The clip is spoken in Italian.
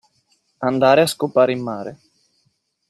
Andare a scopare il mare.